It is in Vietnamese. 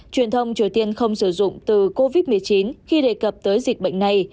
truyền thông triều tiên không sử dụng từ covid một mươi chín khi đề cập tới dịch bệnh này